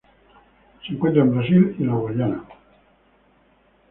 Se encuentra en Brasil y en la Guyana.